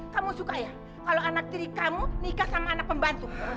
kamu suka ya kalau anak tiri kamu nikah sama anak pembantu